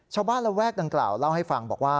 ระแวกดังกล่าวเล่าให้ฟังบอกว่า